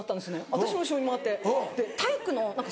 私の後ろに回って。